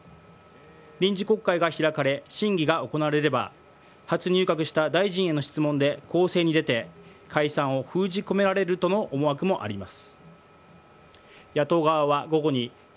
臨時国会が開かれ審議が行われれば初入閣した大臣への質問で攻勢に出て解散を封じ込められるとの思惑もあります。